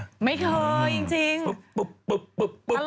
ไม่เคยจริง